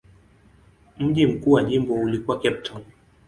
Mji mkuu wa jimbo ulikuwa Cape Town.